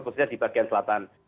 khususnya di bagian selatan